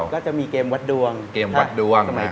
อะไรบ้างที่เป็นประกันดังแล้วเป็นที่น่าภาพภูมิใจของมงตระกูลเรา